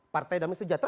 partai damai sejahtera